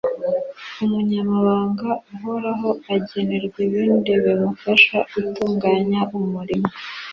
umunyamabanga uhoraho agenerwa ibindi bimufasha gutunganya umurimo